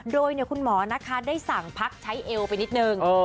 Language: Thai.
โดยคุณหมอนะคะได้สั่งพักใช้เอวไปนิดนึง